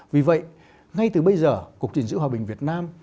vì vậy ngay từ bây giờ cục gìn giữ hòa bình việt nam